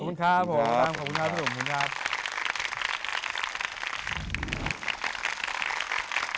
ขอบคุณครับขอบคุณครับพี่หนุ่ม